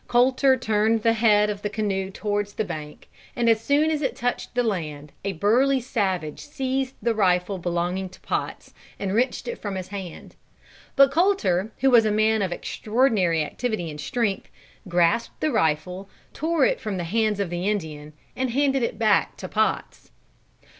Colter turned the head of the canoe towards the bank, and as soon as it touched the land, a burly savage seized the rifle belonging to Potts, and wrenched it from his hand. But Colter, who was a man of extraordinary activity and strength, grasped the rifle, tore it from the hands of the Indian, and handed it back to Potts.